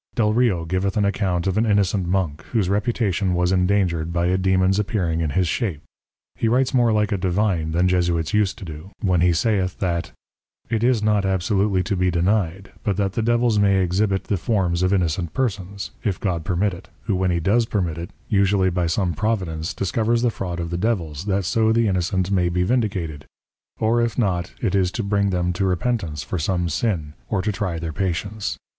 Delrio giveth an account of an innocent Monk, whose Reputation was indangered by a Dæmon's appearing in his shape. He writes more like a Divine than Jesuits use to do, when he saith that, _It is not absolutely to be denied, but that the Devils may exhibite the Forms of innocent Persons, if God permit it, who when he does permit it, usually by some Providence discovers the Fraud of the Devils, that so the Innocent may be vindicated, or if not, it is to bring them to repentance for some Sin, or to try their Patience.